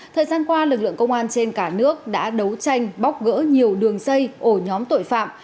thời gian qua lực lượng công an trên cả nước đã đấu tranh bóc gỡ nhiều đường dây ổ nhóm tội phạm